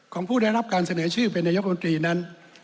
ของผู้ได้รับการเสนอชื่อเป็นนายกรรมตรีนั้น